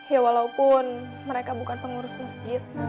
ya walaupun mereka bukan pengurus masjid